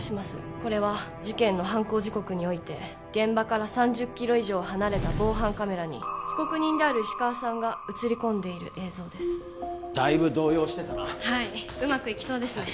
これは事件の犯行時刻において現場から３０キロ以上離れた防犯カメラに被告人である石川さんが写り込んでいる映像ですだいぶ動揺してたなはいうまくいきそうですね